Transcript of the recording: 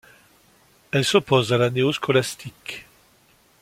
Elle s'oppose à la néo-scolastique.